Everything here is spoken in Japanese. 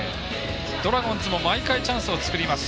ドラゴンズも毎回チャンスを作ります。